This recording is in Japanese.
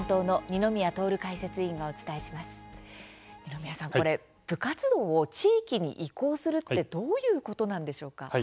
二宮さん、部活動を地域に移行するってどういうことなんでしょうか。